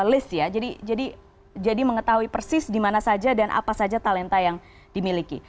list ya jadi mengetahui persis dimana saja dan apa saja talenta yang dimiliki